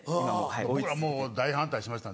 僕らもう大反対しました。